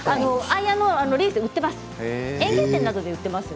アイアンのリース売っています。